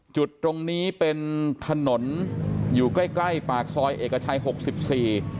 จุดตรงนี้เป็นถนนอยู่ใกล้ใกล้ปากซอยเอกชัยหกสิบสี่